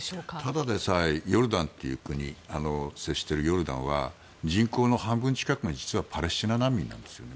ただでさえ接しているヨルダンは人口の半分近くが実はパレスチナ難民なんですね。